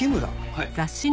はい。